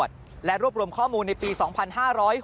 กลับวันนั้นไม่เอาหน่อย